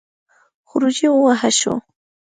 خروجی ووهه شو.